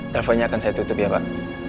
teleponnya akan saya tutup ya pak